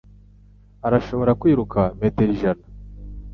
Arashobora kwiruka metero ijana